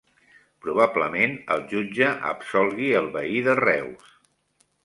Probablement el jutge absolgui el veí de Reus